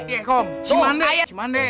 iya kong cimande